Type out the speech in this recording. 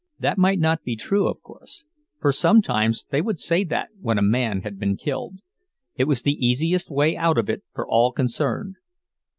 That might not be true, of course, for sometimes they would say that when a man had been killed; it was the easiest way out of it for all concerned.